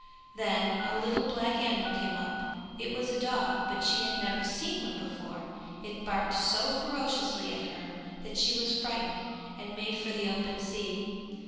Then a little black animal came up; it was a dog, but she had never seen one before; it barked so furiously at her that she was frightened and made for the open sea.